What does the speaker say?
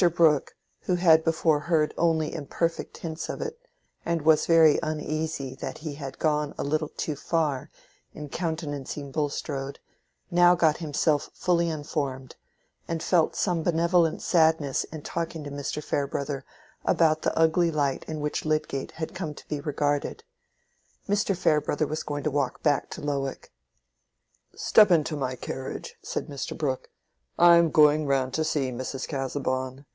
Brooke, who had before heard only imperfect hints of it, and was very uneasy that he had "gone a little too far" in countenancing Bulstrode, now got himself fully informed, and felt some benevolent sadness in talking to Mr. Farebrother about the ugly light in which Lydgate had come to be regarded. Mr. Farebrother was going to walk back to Lowick. "Step into my carriage," said Mr. Brooke. "I am going round to see Mrs. Casaubon.